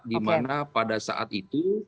dimana pada saat itu